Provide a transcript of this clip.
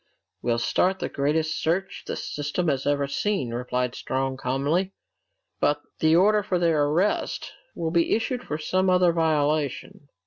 "We'll start the greatest search the system has ever seen," replied Strong calmly. "But the order for their arrest will be issued for some other violation."